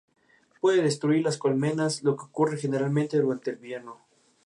Puede destruir las colmenas, lo que ocurre generalmente durante el invierno.